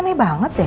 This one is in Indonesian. ini ini banget deh